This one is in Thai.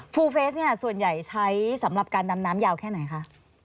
ูเฟสเนี่ยส่วนใหญ่ใช้สำหรับการดำน้ำยาวแค่ไหนคะ